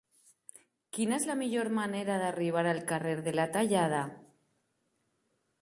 Quina és la millor manera d'arribar al carrer de la Tallada?